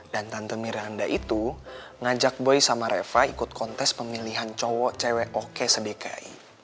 dan tante miranda itu ngajak boy sama reva ikut kontes pemilihan cowok cewek oks dki